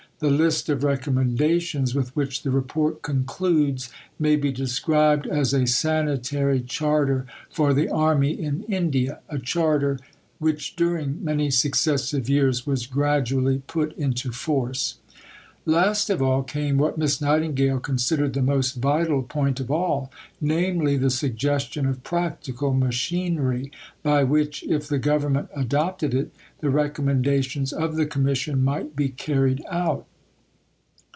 The list of Recommendations with which the Report concludes may be described as a Sanitary Charter for the Army in India a Charter which during many successive years was gradually put into force. Letter to Sir J. McNeill, Aug. 8, 1862. Last of all came what Miss Nightingale considered the most vital point of all namely, the suggestion of practical machinery by which, if the Government adopted it, the recommendations of the Commission might be carried out.